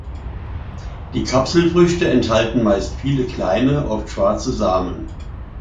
Die Kapselfrüchte enthalten meist viele kleine, oft schwarze Samen.